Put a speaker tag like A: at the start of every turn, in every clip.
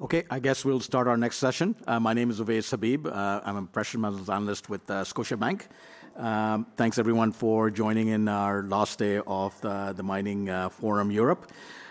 A: Okay, I guess we'll start our next session. My name is Ovais Habib. I'm a Precious Metals Analyst with Scotiabank. Thanks everyone for joining in our last day of the Mining Forum Europe.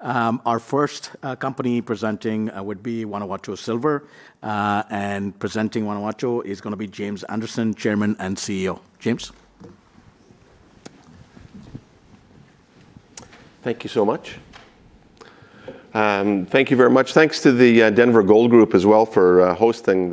A: Our first company presenting would be Guanajuato Silver, and presenting Guanajuato is going to be James Anderson, Chairman and CEO. James?
B: Thank you so much. Thank you very much. Thanks to the Denver Gold Group as well for hosting,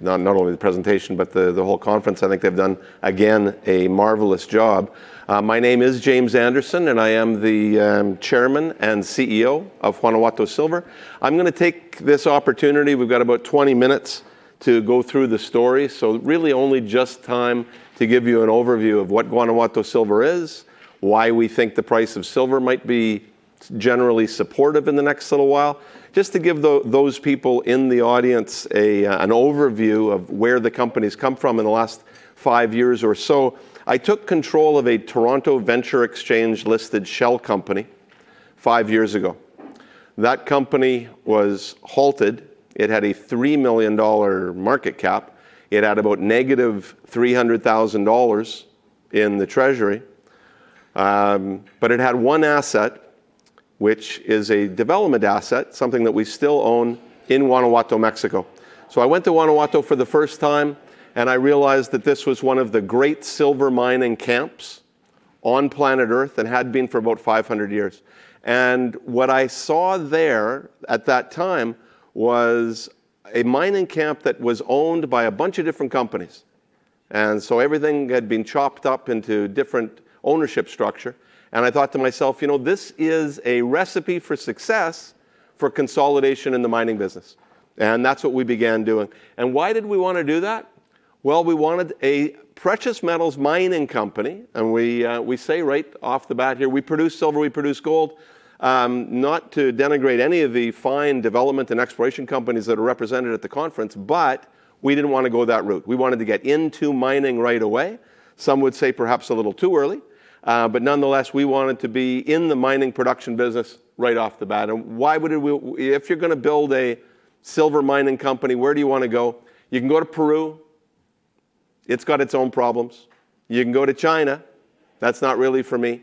B: not only the presentation, but the whole conference. I think they've done, again, a marvelous job. My name is James Anderson, and I am the Chairman and CEO of Guanajuato Silver. I'm going to take this opportunity. We've got about 20 minutes to go through the story, so really only just time to give you an overview of what Guanajuato Silver is, why we think the price of silver might be generally supportive in the next little while. Just to give those people in the audience an overview of where the company's come from in the last five years or so, I took control of a Toronto Venture Exchange-listed shell company five years ago. That company was halted. It had a 3 million dollar market cap. It had about -300,000 dollars in the treasury. It had one asset, which is a development asset, something that we still own in Guanajuato, Mexico. I went to Guanajuato for the first time, and I realized that this was one of the great silver mining camps on planet Earth, and had been for about 500 years. What I saw there at that time was a mining camp that was owned by a bunch of different companies. Everything had been chopped up into different ownership structure. I thought to myself, "This is a recipe for success for consolidation in the mining business." That's what we began doing. Why did we want to do that? Well, we wanted a precious metals mining company, and we say right off the bat here, we produce silver, we produce gold. Not to denigrate any of the fine development and exploration companies that are represented at the conference, but we didn't want to go that route. We wanted to get into mining right away. Some would say perhaps a little too early. But nonetheless, we wanted to be in the mining production business right off the bat. If you're going to build a silver mining company, where do you want to go? You can go to Peru. It's got its own problems. You can go to China. That's not really for me.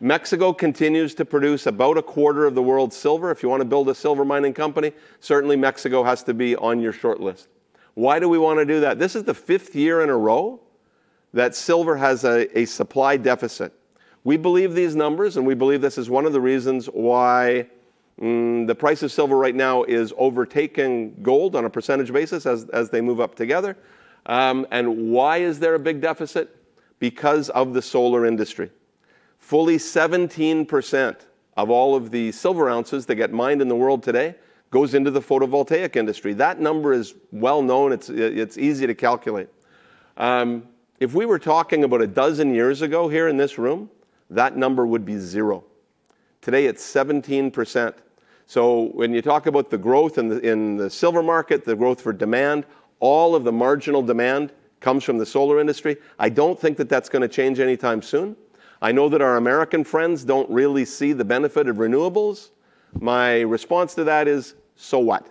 B: Mexico continues to produce about a quarter of the world's silver. If you want to build a silver mining company, certainly Mexico has to be on your shortlist. Why do we want to do that? This is the fifth year in a row that silver has a supply deficit. We believe these numbers, and we believe this is one of the reasons why the price of silver right now is overtaking gold on a percentage basis as they move up together. Why is there a big deficit? Because of the solar industry, fully 17% of all of the silver ounces that get mined in the world today goes into the photovoltaic industry. That number is well-known. It's easy to calculate. If we were talking about a dozen years ago here in this room, that number would be zero. Today, it's 17%. When you talk about the growth in the silver market, the growth for demand, all of the marginal demand comes from the solar industry. I don't think that that's going to change anytime soon. I know that our American friends don't really see the benefit of renewables. My response to that is, so what?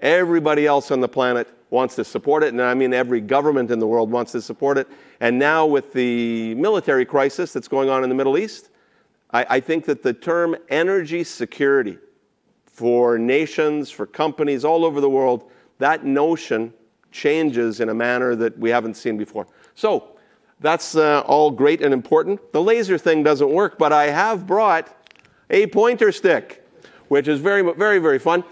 B: Everybody else on the planet wants to support it. I mean every government in the world wants to support it. Now with the military crisis that's going on in the Middle East, I think that the term energy security for nations, for companies all over the world, that notion changes in a manner that we haven't seen before. That's all great and important. The laser thing doesn't work, but I have brought a pointer stick, which is very fun.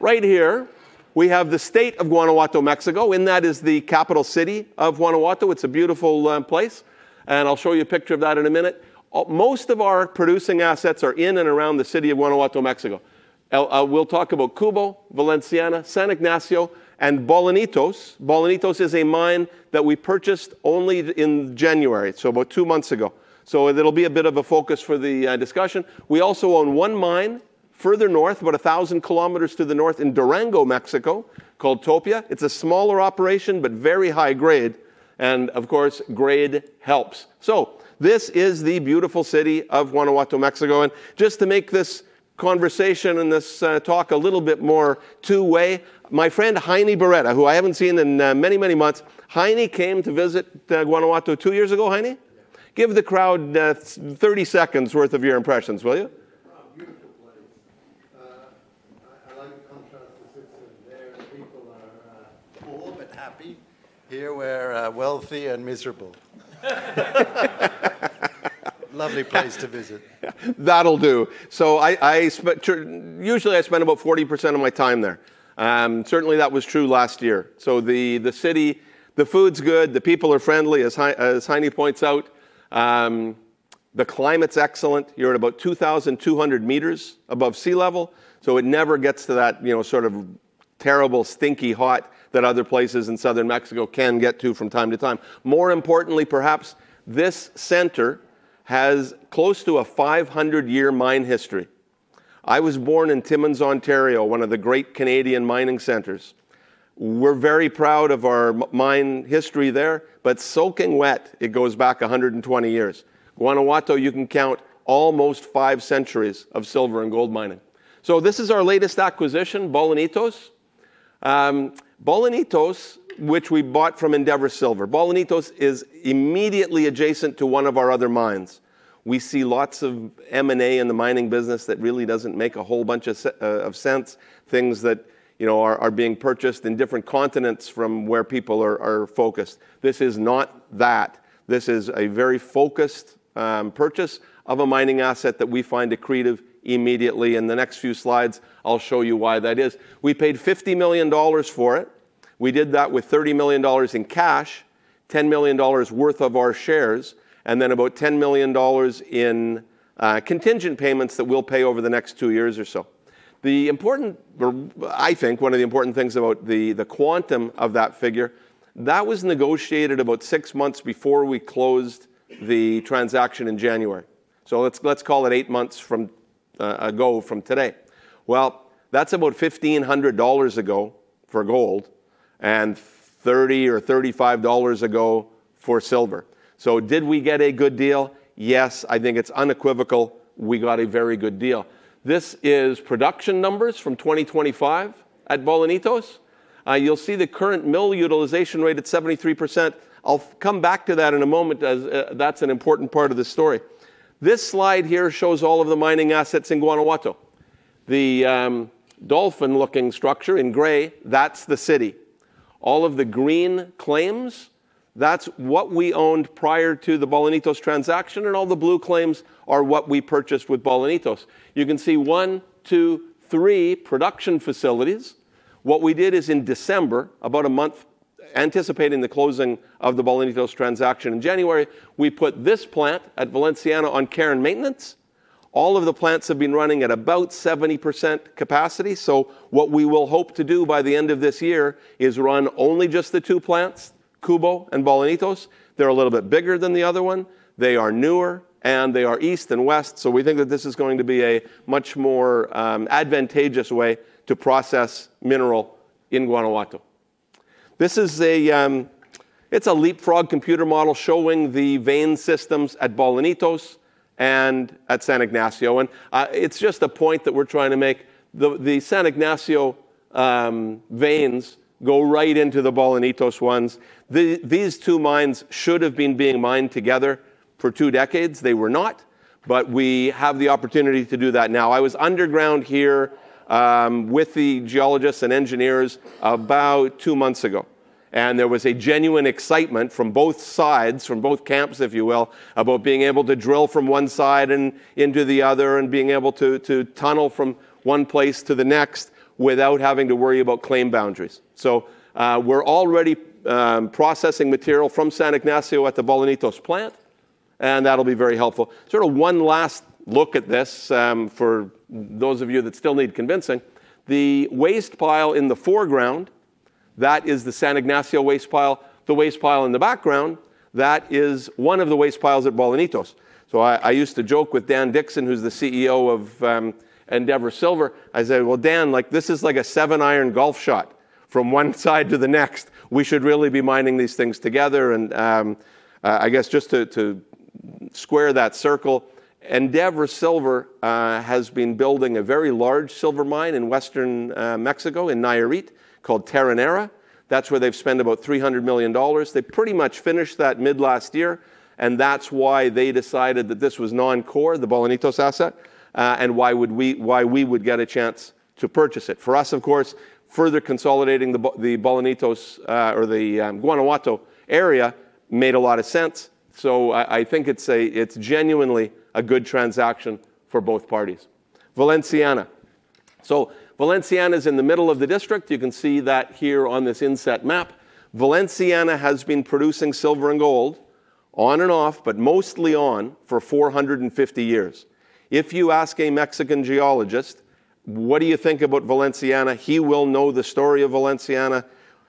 B: Right here we have the state of Guanajuato, Mexico. In that is the capital city of Guanajuato. It's a beautiful place. I'll show you a picture of that in a minute. Most of our producing assets are in and around the city of Guanajuato, Mexico. We'll talk about Cubo, Valenciana, San Ignacio, and Bolañitos. Bolañitos is a mine that we purchased only in January, so about two months ago. It'll be a bit of a focus for the discussion. We also own one mine further north, about 1,000 km to the north in Durango, Mexico, called Topia. It's a smaller operation, but very high grade, and of course, grade helps. This is the beautiful city of Guanajuato, Mexico, and just to make this conversation and this talk a little bit more two-way, my friend Heini Beretta, who I haven't seen in many, many months. Heini came to visit Guanajuato two years ago, Heini?
C: Yeah.
B: Give the crowd 30 seconds worth of your impressions, will you?
C: I like the contrast that sits in there. The people are poor but happy. Here we're wealthy and miserable. Lovely place to visit.
B: That'll do. Usually I spend about 40% of my time there. Certainly that was true last year. The city, the food's good, the people are friendly, as Heini points out. The climate's excellent. You're at about 2,200 m above sea level, so it never gets to that terrible, stinky hot that other places in southern Mexico can get to from time to time. More importantly perhaps, this center has close to a 500-year mine history. I was born in Timmins, Ontario, one of the great Canadian mining centers. We're very proud of our mine history there, but soaking wet, it goes back 120 years. Guanajuato, you can count almost five centuries of silver and gold mining. This is our latest acquisition, Bolañitos. Bolañitos, which we bought from Endeavour Silver. Bolañitos is immediately adjacent to one of our other mines. We see lots of M&A in the mining business that really doesn't make a whole bunch of sense. Things that are being purchased in different continents from where people are focused. This is not that. This is a very focused purchase of a mining asset that we find accretive immediately. In the next few slides, I'll show you why that is. We paid $50 million for it. We did that with $30 million in cash, $10 million worth of our shares, and then about $10 million in contingent payments that we'll pay over the next two years or so. I think one of the important things about the quantum of that figure, that was negotiated about six months before we closed the transaction in January. Let's call it eight months ago from today. Well, that's about $1,500 an ounce for gold and $30 or $35 an ounce for silver. Did we get a good deal? Yes. I think it's unequivocal. We got a very good deal. This is production numbers from 2025 at Bolañitos. You'll see the current mill utilization rate at 73%. I'll come back to that in a moment as that's an important part of the story. This slide here shows all of the mining assets in Guanajuato. The dolphin-looking structure in gray, that's the city. All of the green claims, that's what we owned prior to the Bolañitos transaction, and all the blue claims are what we purchased with Bolañitos. You can see one, two, three production facilities. What we did is in December, about a month anticipating the closing of the Bolañitos transaction in January, we put this plant at Valenciana on care and maintenance. All of the plants have been running at about 70% capacity. What we will hope to do by the end of this year is run only just the two plants, Cubo and Bolañitos. They're a little bit bigger than the other one. They are newer and they are east and west, so we think that this is going to be a much more advantageous way to process mineral in Guanajuato. It's a Leapfrog computer model showing the vein systems at Bolañitos and at San Ignacio. It's just a point that we're trying to make. The San Ignacio veins go right into the Bolañitos ones. These two mines should have been being mined together for two decades. They were not, but we have the opportunity to do that now. I was underground here with the geologists and engineers about two months ago, and there was a genuine excitement from both sides, from both camps, if you will, about being able to drill from one side and into the other, and being able to tunnel from one place to the next without having to worry about claim boundaries. We're already processing material from San Ignacio at the Bolañitos plant, and that'll be very helpful. Sort of one last look at this for those of you that still need convincing. The waste pile in the foreground, that is the San Ignacio waste pile. The waste pile in the background, that is one of the waste piles at Bolañitos. I used to joke with Dan Dickson, who's the CEO of Endeavour Silver. I said, well, Dan, this is like a seven iron golf shot from one side to the next. We should really be mining these things together. I guess just to square that circle, Endeavour Silver has been building a very large silver mine in western Mexico in Nayarit called Terronera. That's where they've spent about $300 million. They pretty much finished that mid last year, and that's why they decided that this was non-core, the Bolañitos asset, and why we would get a chance to purchase it. For us, of course, further consolidating the Bolañitos or the Guanajuato area made a lot of sense. I think it's genuinely a good transaction for both parties. Valenciana. Valenciana's in the middle of the district. You can see that here on this inset map. Valenciana has been producing silver and gold on and off, but mostly on, for 450 years. If you ask a Mexican geologist what do you think about Valenciana, he will know the story of Valenciana.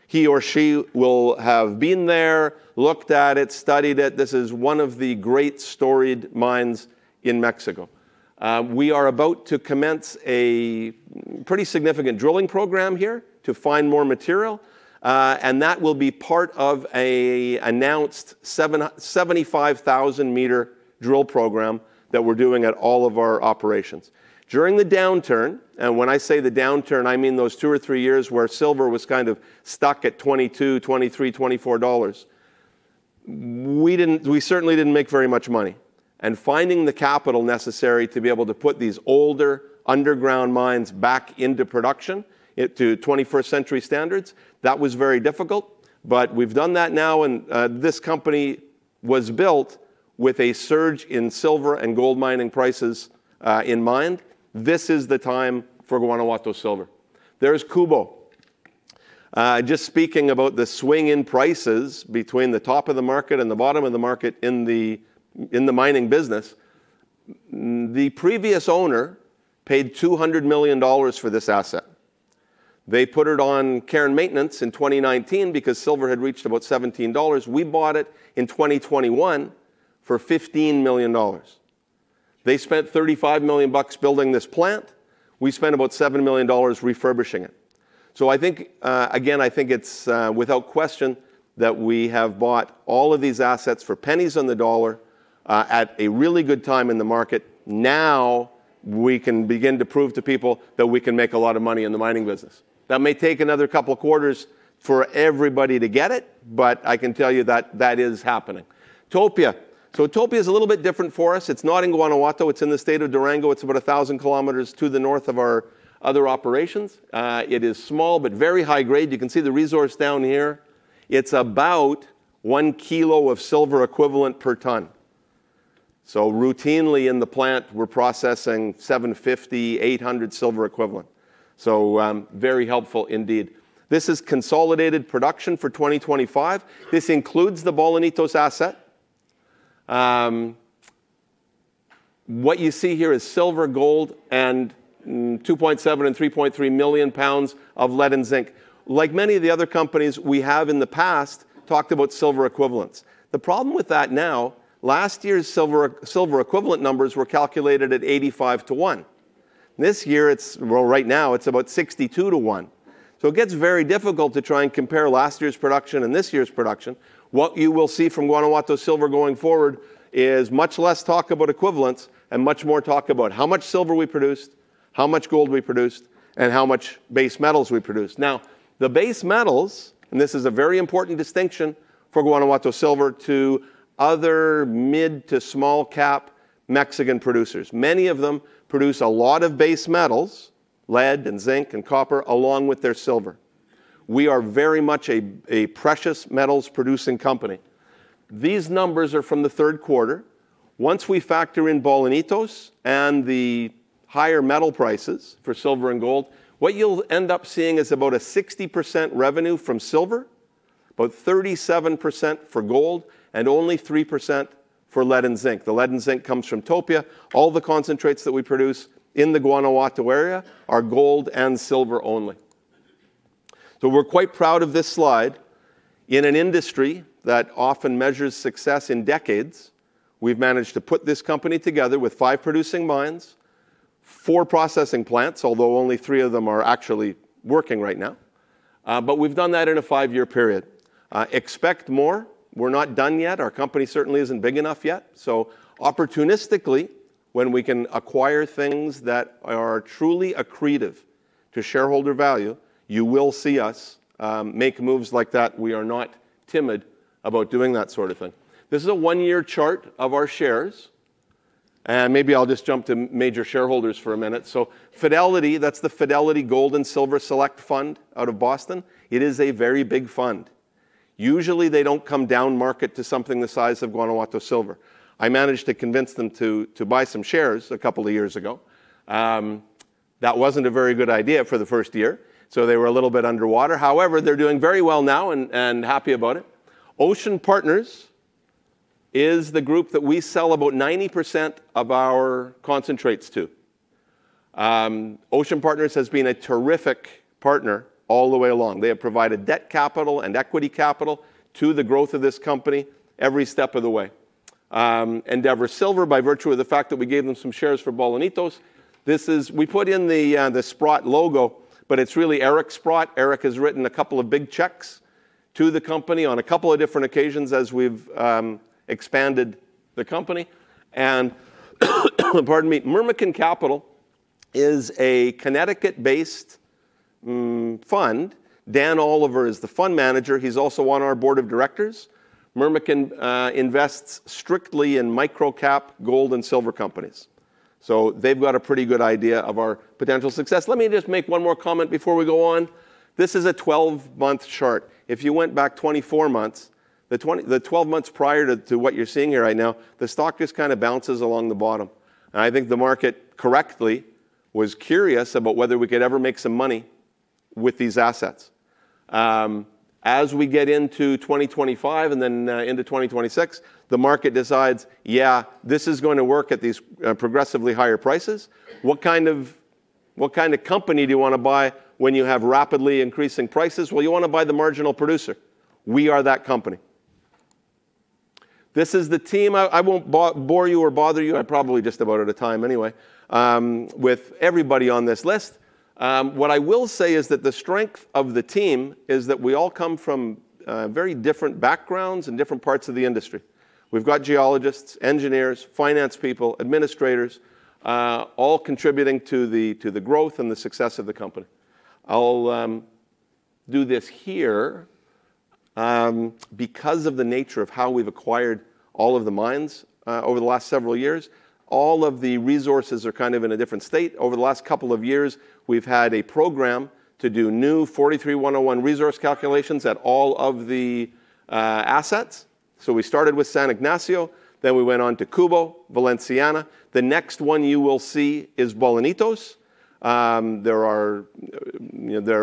B: He or she will have been there, looked at it, studied it. This is one of the great storied mines in Mexico. We are about to commence a pretty significant drilling program here to find more material, and that will be part of a announced 75,000-meter drill program that we're doing at all of our operations. During the downturn, and when I say the downturn, I mean those two or three years where silver was kind of stuck at $22, $23, $24, we certainly didn't make very much money. Finding the capital necessary to be able to put these older underground mines back into production, into 21st-century standards, that was very difficult, but we've done that now and this company was built with a surge in silver and gold mining prices in mind. This is the time for Guanajuato Silver. There's Cubo. Just speaking about the swing in prices between the top of the market and the bottom of the market in the mining business, the previous owner paid $200 million for this asset. They put it on care and maintenance in 2019 because silver had reached about $17. We bought it in 2021 for $15 million. They spent $35 million bucks building this plant. We spent about $7 million refurbishing it. I think, again, I think it's without question that we have bought all of these assets for pennies on the dollar at a really good time in the market. Now we can begin to prove to people that we can make a lot of money in the mining business. That may take another couple of quarters for everybody to get it, but I can tell you that is happening. Topia. Topia is a little bit different for us. It's not in Guanajuato, it's in the state of Durango. It's about 1,000 km to the north of our other operations. It is small, but very high grade. You can see the resource down here. It's about one kilo of silver equivalent per ton. Routinely in the plant, we're processing 750-800 silver equivalent. Very helpful indeed. This is consolidated production for 2025. This includes the Bolañitos asset. What you see here is silver, gold, and 2.7 and 3.3 million pounds of lead and zinc. Like many of the other companies we have in the past talked about silver equivalents. The problem with that now, last year's silver equivalent numbers were calculated at 85/1. This year, well, right now, it's about 62/1. It gets very difficult to try and compare last year's production and this year's production. What you will see from Guanajuato Silver going forward is much less talk about equivalents and much more talk about how much silver we produced, how much gold we produced, and how much base metals we produced. Now, the base metals, and this is a very important distinction for Guanajuato Silver to other mid- to small-cap Mexican producers. Many of them produce a lot of base metals, lead and zinc and copper, along with their silver. We are very much a precious metals producing company. These numbers are from the Q3. Once we factor in Bolañitos and the higher metal prices for silver and gold, what you'll end up seeing is about a 60% revenue from silver, about 37% for gold, and only 3% for lead and zinc. The lead and zinc comes from Topia. All the concentrates that we produce in the Guanajuato area are gold and silver only. We're quite proud of this slide. In an industry that often measures success in decades, we've managed to put this company together with five producing mines, four processing plants, although only three of them are actually working right now. We've done that in a five-year period. Expect more. We're not done yet. Our company certainly isn't big enough yet. Opportunistically, when we can acquire things that are truly accretive to shareholder value, you will see us make moves like that. We are not timid about doing that sort of thing. This is a one-year chart of our shares. Maybe I'll just jump to major shareholders for a minute. Fidelity, that's the Fidelity Gold and Silver Select Fund out of Boston. It is a very big fund. Usually, they don't come down market to something the size of Guanajuato Silver. I managed to convince them to buy some shares a couple of years ago. That wasn't a very good idea for the first year, so they were a little bit underwater. However, they're doing very well now and happy about it. Ocean Partners is the group that we sell about 90% of our concentrates to. Ocean Partners has been a terrific partner all the way along. They have provided debt capital and equity capital to the growth of this company every step of the way. Endeavour Silver, by virtue of the fact that we gave them some shares for Bolañitos. We put in the Sprott logo, but it's really Eric Sprott. Eric has written a couple of big checks to the company on a couple of different occasions as we've expanded the company. Pardon me. Myrmikan Capital is a Connecticut-based fund. Dan Oliver is the Fund Manager. He's also on our Board of Directors. Myrmikan invests strictly in micro-cap gold and silver companies. They've got a pretty good idea of our potential success. Let me just make one more comment before we go on. This is a 12-month chart. If you went back 24 months, the 12 months prior to what you're seeing here right now, the stock just kind of bounces along the bottom. I think the market correctly was curious about whether we could ever make some money with these assets. As we get into 2025 and then into 2026, the market decides, yeah, this is going to work at these progressively higher prices. What kind of company do you want to buy when you have rapidly increasing prices? Well, you want to buy the marginal producer. We are that company. This is the team. I won't bore you or bother you. I probably just about out of time anyway, with everybody on this list. What I will say is that the strength of the team is that we all come from very different backgrounds and different parts of the industry. We've got geologists, engineers, finance people, administrators, all contributing to the growth and the success of the company. I'll do this here. Because of the nature of how we've acquired all of the mines over the last several years, all of the resources are kind of in a different state. Over the last couple of years, we've had a program to do new 43-101 resource calculations at all of the assets. We started with San Ignacio, then we went on to Cubo, Valenciana. The next one you will see is Bolañitos. There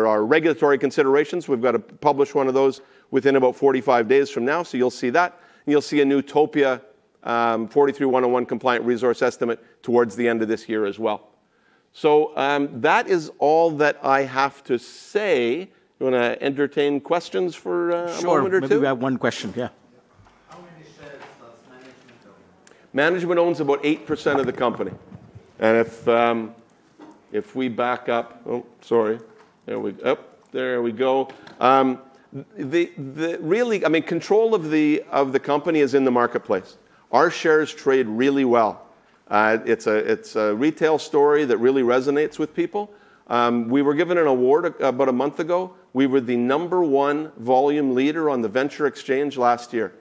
B: are regulatory considerations. We've got to publish one of those within about 45 days from now, so you'll see that, and you'll see a new Topia 43-101 compliant resource estimate towards the end of this year as well. That is all that I have to say. You want to entertain questions?
A: Sure.
B: A moment or two?
A: We have one question. Yeah.
B: Management owns about 8% of the company. If we back up, oh, sorry, there we go. Control of the company is in the marketplace. Our shares trade really well. It's a retail story that really resonates with people. We were given an award about a month ago. We were the number one volume leader on the Venture Exchange last year.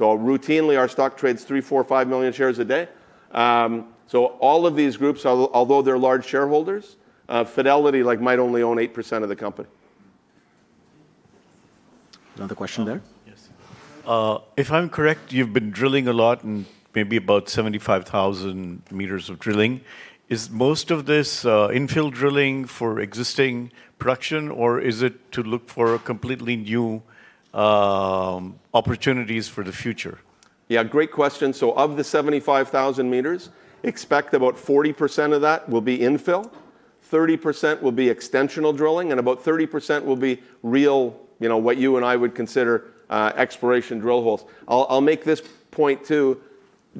B: Routinely our stock trades three, four, five million shares a day. All of these groups, although they're large shareholders, Fidelity might only own 8% of the company.
A: Another question there?
D: Yes. If I'm correct, you've been drilling a lot, maybe about 75,000 m of drilling. Is most of this infill drilling for existing production, or is it to look for completely new opportunities for the future?
B: Yeah, great question. Of the 75,000 m, expect about 40% of that will be infill, 30% will be extensional drilling, and about 30% will be real, what you and I would consider exploration drill holes. I'll make this point, too.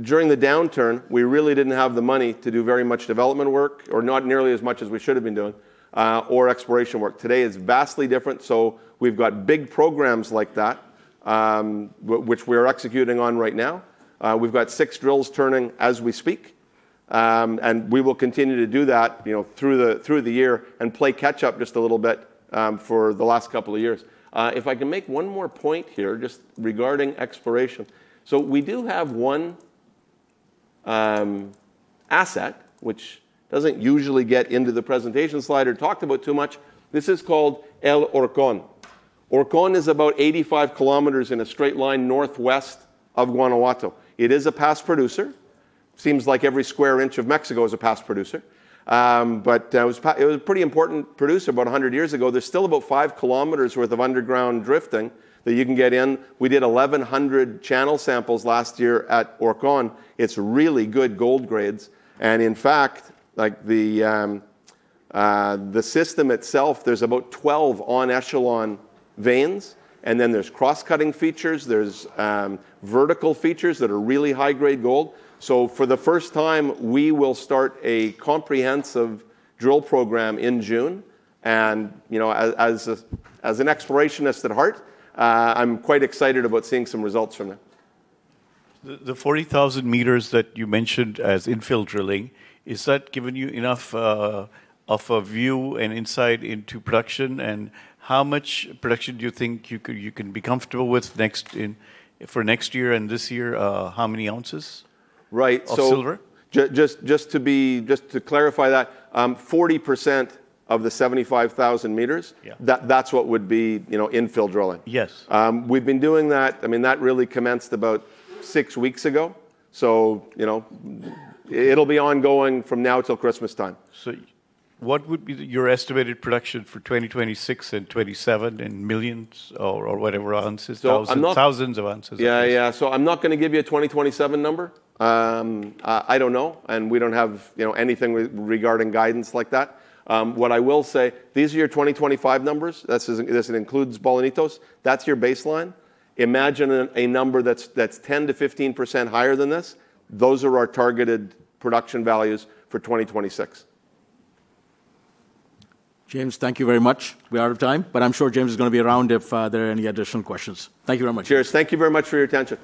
B: During the downturn, we really didn't have the money to do very much development work, or not nearly as much as we should've been doing, or exploration work. Today is vastly different, so we've got big programs like that, which we're executing on right now. We've got six drills turning as we speak. We will continue to do that through the year and play catch up just a little bit for the last couple of years. If I can make one more point here, just regarding exploration. We do have one asset, which doesn't usually get into the presentation slide or talked about too much. This is called El Horcon. El Horcon is about 85 km in a straight line northwest of Guanajuato. It is a past producer. Seems like every square inch of Mexico is a past producer. It was a pretty important producer about 100 years ago. There's still about five kilometers worth of underground drifting that you can get in. We did 1,100 channel samples last year at El Horcon. It's really good gold grades. In fact, the system itself, there's about 12 en echelon veins, and then there's cross-cutting features, there's vertical features that are really high-grade gold. For the first time, we will start a comprehensive drill program in June. As an explorationist at heart, I'm quite excited about seeing some results from it.
D: The 40,000 m that you mentioned as infill drilling, is that given you enough of a view and insight into production? How much production do you think you can be comfortable with for next year and this year? How many ounces?
B: Right.
D: Of silver?
B: Just to clarify that, 40% of the 75,000 m.
D: Yeah.
B: That's what would be infill drilling.
D: Yes.
B: We've been doing that. That really commenced about six weeks ago. It'll be ongoing from now till Christmas time.
D: What would be your estimated production for 2026 and 2027 in millions or whatever, ounces?
B: I'm not.
D: Thousands of ounces.
B: Yeah. I'm not going to give you a 2027 number. I don't know. We don't have anything regarding guidance like that. What I will say, these are your 2025 numbers. This includes Bolañitos. That's your baseline. Imagine a number that's 10%-15% higher than this. Those are our targeted production values for 2026.
A: James, thank you very much. We are out of time, but I'm sure James is going to be around if there are any additional questions. Thank you very much.
B: Cheers. Thank you very much for your attention.